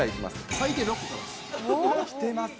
最低６個からです。